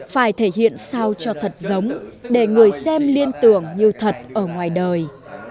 phải thể hiện sao cho thật giống để người xem liên tưởng như thật ở ngoài đời